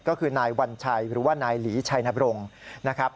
ก็คือนายวัญชัยหรือว่านายหลีชัยนบรงค์นะครับ